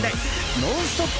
ノンストップ！